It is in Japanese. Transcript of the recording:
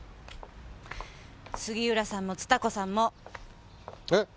杉浦さんもつた子さんも。え？